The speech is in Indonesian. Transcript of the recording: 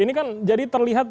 ini kan jadi terlihat